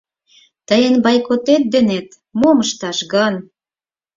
Тыйын бойкот денет мом ышташ гын?